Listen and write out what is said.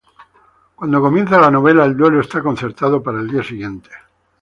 Cuando comienza la novela, el duelo está concertado para el día siguiente.